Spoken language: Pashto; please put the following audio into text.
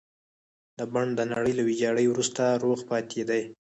دا بڼ د نړۍ له ويجاړۍ وروسته روغ پاتې دی.